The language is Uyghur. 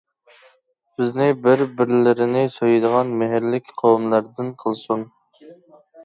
بىزنى بىر-بىرلىرىنى سۆيىدىغان مېھىرلىك قوۋملاردىن قىلسۇن!